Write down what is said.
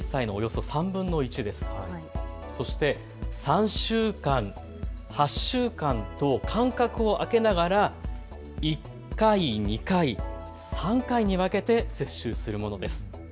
そして３週間、８週間と間隔を空けながら１回、２回、３回に分けて接種するものです。